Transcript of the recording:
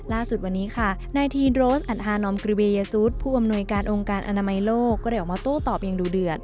ล่าสุดวันนี้ค่ะนายทีนโรสอันฮานอมกรีเวยซูธผู้อำนวยการองค์การอนามัยโลกก็ได้ออกมาโต้ตอบอย่างดูเดือด